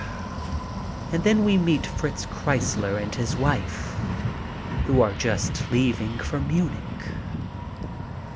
And then we meet Fritz Kreisler and his wife, who are just leaving for Munich.